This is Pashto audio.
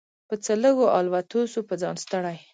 په څه لږو الوتو سو په ځان ستړی